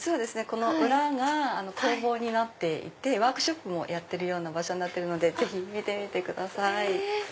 この裏が工房になっていてワークショップもやってる場所になってるのでぜひ見てみてください。